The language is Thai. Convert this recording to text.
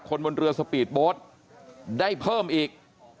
บนเรือสปีดโบ๊ทได้เพิ่มอีก